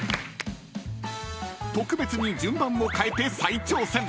［特別に順番を変えて再挑戦］